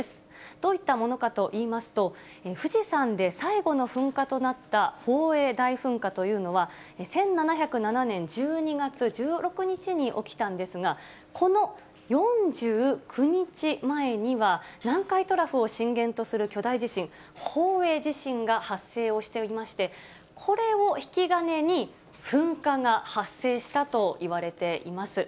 どういったものかといいますと、富士山で最後の噴火となった宝永大噴火というのは、１７０７年１２月１６日に起きたんですが、この４９日前には、南海トラフを震源とする巨大地震、宝永地震が発生をしておりまして、これを引き金に、噴火が発生したといわれています。